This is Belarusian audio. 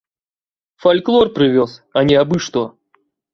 Фальклор прывёз, а не абы-што!